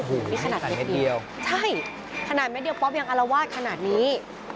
โอ้โหนี่ขนาดเม็ดเดียวใช่ขนาดเม็ดเดียวป๊อปยังอารวาสขนาดนี้